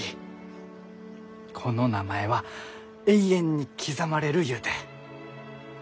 この名前は永遠に刻まれるゆうて。